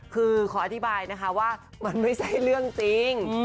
คือขออธิบายนะคะว่ามันไม่ใช่เรื่องจริง